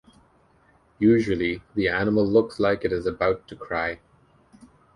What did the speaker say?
Usually, the animal looks like it is about to cry.